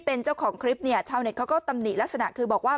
เป็นเจ้าของคลิปเนี่ยชาวเน็ตเขาก็ตำหนิลักษณะคือบอกว่า